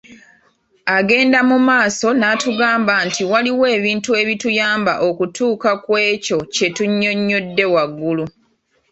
Agenda mu maaso n'atugamba nti waliwo ebintu ebituyamba okutuuka ku ekyo kye tunnyonnyodde waggulu.